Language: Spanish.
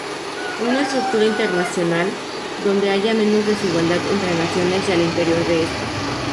Una estructura internacional donde haya menos desigualdad entre naciones y al interior de estas.